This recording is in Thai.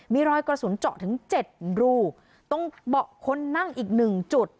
มีรอยกระสุนเจาะถึงเจ็ดรูตรงเบาะคนนั่งอีกหนึ่งจุด